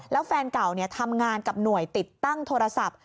แล้วแฟนเก่าทำงานกับหน่วยติดตั้งโทรศัพท์